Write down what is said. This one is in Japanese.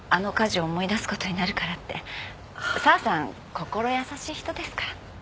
心優しい人ですから。